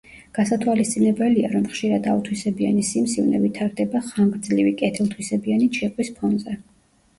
გასათვალისწინებელია, რომ ხშირად ავთვისებიანი სიმსივნე ვითარდება ხანგრძლივი კეთილთვისებიანი ჩიყვის ფონზე.